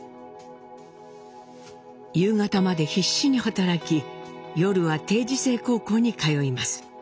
夕方まで必死に働き夜は定時制高校に通います。